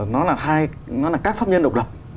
nó là hai nó là các pháp nhân độc lập